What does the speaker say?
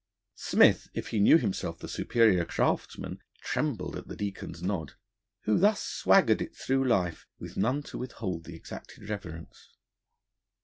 Smith, if he knew himself the superior craftsman, trembled at the Deacon's nod, who thus swaggered it through life, with none to withhold the exacted reverence.